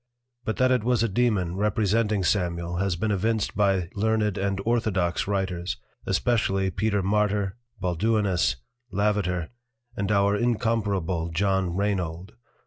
But that it was a Dæmon representing Samuel has been evinced by learned and Orthodox Writers: especially Peter Martyr, Balduinus Lavater, and our incomparable John Rainolde.